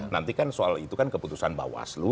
nanti kan soal itu kan keputusan bawaslu